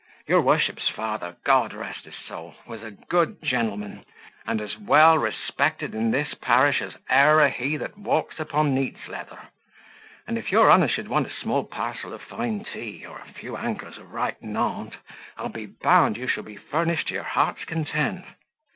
Your worship's father (God rest his soul!) was a good gentleman, and as well respected in this parish as e'er a he that walks upon neat's leather; and if your honour should want a small parcel of fine tea, or a few ankers of right Nantes, I'll be bound you shall be furnished to your heart's content.